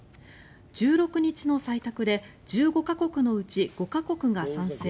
１６日の採択で１５か国のうち５か国が賛成